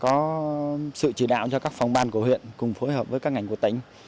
có sự chỉ đạo cho các phòng ban của huyện cùng phối hợp với các ngành của tỉnh